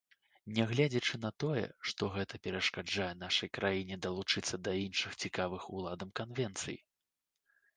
Нягледзячы на тое, што гэта перашкаджае нашай краіне далучыцца да іншых цікавых уладам канвенцый.